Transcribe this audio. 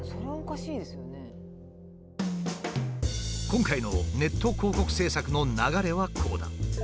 今回のネット広告制作の流れはこうだ。